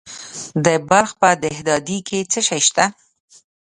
د بلخ په دهدادي کې څه شی شته؟